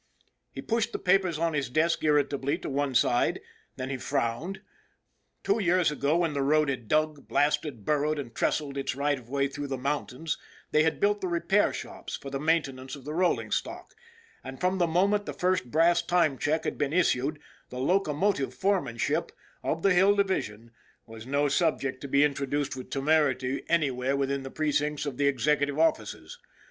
He pushed the papers on his desk irritably to one side. Then he frowned. Two years ago, when the road had dug, blasted, burrowed, and trestled its right of way through the mountains, they had built the repair shops for the maintenance of the rolling stock, and from the moment the first brass time check had been issued the locomotive foremanship of the Hill Division was no subject to be introduced with temerity anywhere within the precincts of the executive offices.